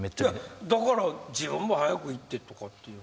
だから自分も早く行ってとかって。